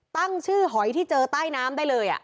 ตั้งชื่อหอยที่เจอใต้น้ำได้เลย